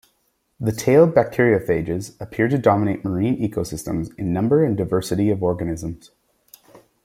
The tailed bacteriophages appear to dominate marine ecosystems in number and diversity of organisms.